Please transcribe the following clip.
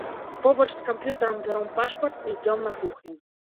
Побач з камп'ютарам бяром пашпарт і ідзём на кухню.